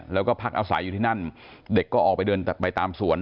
แล้วก็พักอาศัยอยู่ที่นั่นเด็กก็ออกไปเดินไปตามสวน